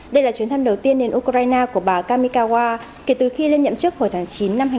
đây là chuyến thăm đầu tiên đến ukraine của bà kamikawa kể từ khi lên nhậm chức hồi tháng chín năm hai nghìn hai mươi ba